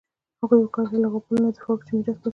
هغه وکولای شول له هغو پولو نه دفاع وکړي چې میراث پاتې وې.